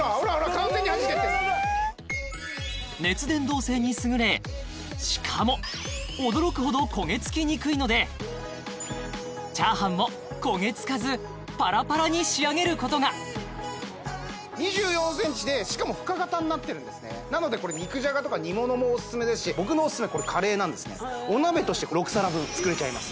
完全にはじけてるえーっ熱伝導性に優れしかも驚くほど焦げつきにくいのでチャーハンも焦げつかずパラパラに仕上げることが２４ｃｍでしかも深型になってるんですねなので肉じゃがとか煮物もオススメですし僕のオススメカレーなんですねお鍋として６皿分作れちゃいます